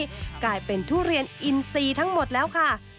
แห่งนี้ได้เป็นทุเรียนอินซีทั้งหมดแล้วค่ะ